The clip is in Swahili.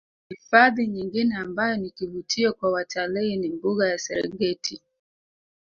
Hifandhi nyingine ambayo ni kivutio kwa watalii ni mbuga ya Serengeti